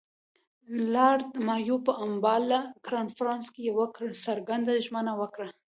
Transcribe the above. لارډ مایو په امباله کنفرانس کې یوه څرګنده ژمنه وکړه.